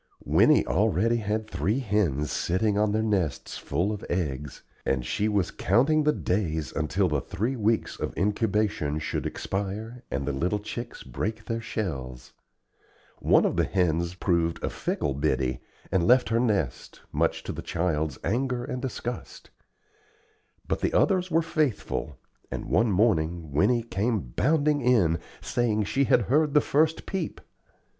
Winnie already had three hens sitting on their nests full of eggs, and she was counting the days until the three weeks of incubation should expire, and the little chicks break their shells. One of the hens proved a fickle biddy, and left her nest, much to the child's anger and disgust. But the others were faithful, and one morning Winnie came bounding in, saying she had heard the first "peep."